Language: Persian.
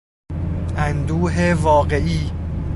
اندوه واقعی